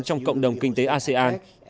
trong cộng đồng kinh tế asean